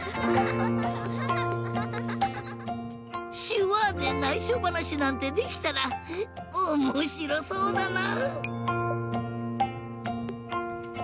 しゅわでないしょばなしなんてできたらおもしろそうだな！